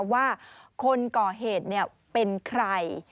ว่าคนก่อเหตุเป็นใคร